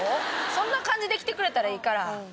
そんな感じで来てくれたらいいから。